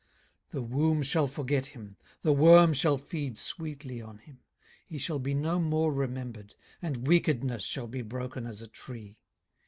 18:024:020 The womb shall forget him; the worm shall feed sweetly on him; he shall be no more remembered; and wickedness shall be broken as a tree.